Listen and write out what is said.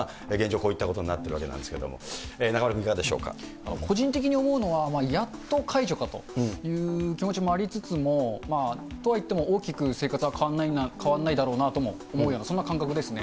こういったことになっているんですけれども、中丸君、いかが個人的に思うのは、やっと解除かという気持ちもありつつも、とはいっても大きく生活は変わんないだろうなとも思うような、そんな感覚ですね。